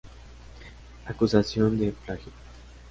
Acusación de plagio.